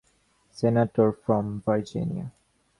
Senator from Virginia.